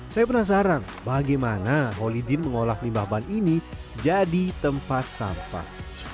saya penasaran bagaimana holidin mengolah limbah ban ini jadi tempat sampah